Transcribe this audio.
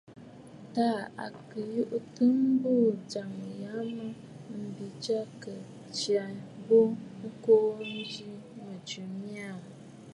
Taà à kɨ̀ yòtə̂ àbùʼu ŋkya ya mə mbi jyâ kɨ̀ tsya ghu ŋkuu njɨ mɨjɨ mya aà.